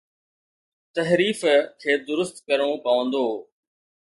تحريف کي درست ڪرڻو پوندو.